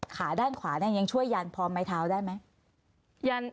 ขาด้านขวายังช่วยยันพร้อมไม้เท้าได้ไหม